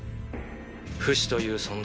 フシという存在。